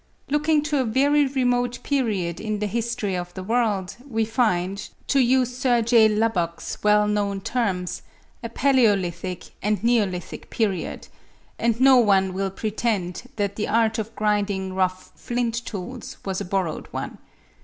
Looking to a very remote period in the history of the world, we find, to use Sir J. Lubbock's well known terms, a paleolithic and neolithic period; and no one will pretend that the art of grinding rough flint tools was a borrowed one.